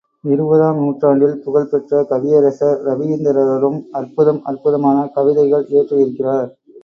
இருபதாம் நூற்றாண்டில் புகழ் பெற்ற கவியரசர் ரவீந்திரரும் அற்புதம் அற்புதமான கவிதைகள் இயற்றியிருக்கிறார்.